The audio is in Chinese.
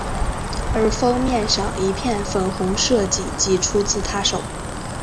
而封面上一片粉红设计即出自她手。